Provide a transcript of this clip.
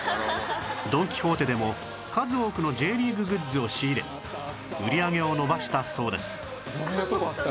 ドン・キホーテでも数多くの Ｊ リーググッズを仕入れ売り上げを伸ばしたそうです